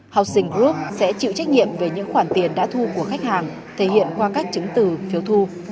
học sinh group sẽ chịu trách nhiệm về những khoản tiền đã thu của khách hàng thể hiện qua các chứng từ phiếu thu